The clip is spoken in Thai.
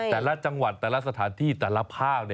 แต่ละจังหวัดแต่ละสถานที่แต่ละภาค